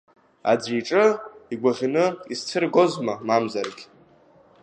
Аӡәы иҿы игәаӷьны изцәыргозма мамзаргьы!